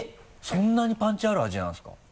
そんなにパンチある味なんですか？